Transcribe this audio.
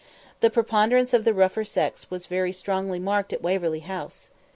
The preponderance of the rougher sex was very strongly marked at Waverley House.